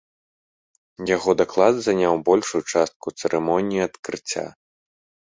Яго даклад заняў большую частку цырымоніі адкрыцця.